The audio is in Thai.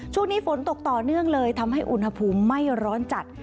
ช่วงนี้ฝนตกต่อเนื่องเลยทำให้อุณหภูมิไม่ร้อนจัด